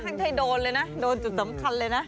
ให้โดนเลยนะโดนจุดสำคัญเลยนะ